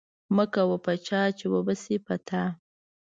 مه کوه په چا، چي و به سي په تا.